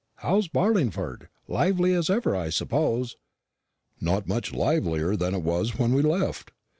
"How's Barlingford lively as ever, I suppose?" "Not much livelier than it was when we left it.